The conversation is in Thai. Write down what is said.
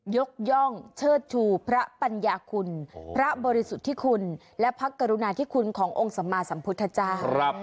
ยกย่องเชิดชูพระปัญญาคุณพระบริสุทธิคุณและพระกรุณาธิคุณขององค์สัมมาสัมพุทธเจ้า